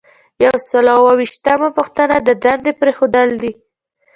یو سل او اووه ویشتمه پوښتنه د دندې پریښودل دي.